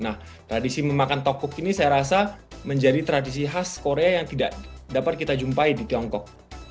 nah tradisi memakan tokguk ini saya rasa menjadi tradisi khas korea yang tidak dapat kita jumpai di tiongkok